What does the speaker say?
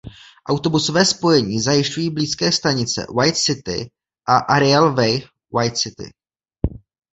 Autobusové spojení zajišťují blízké stanice "White City" a "Ariel Way White City".